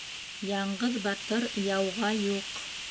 Яңғыҙ батыр яуға юҡ